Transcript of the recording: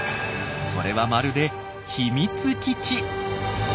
それはまるで秘密基地！